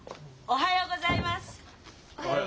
おはようございます！